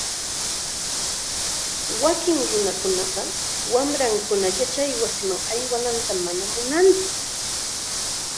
Wakin nunakunaqa wamrankuna yachaywasiman aywananta manam munantsu.